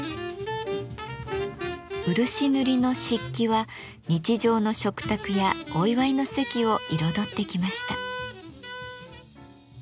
漆塗りの漆器は日常の食卓やお祝いの席を彩ってきました。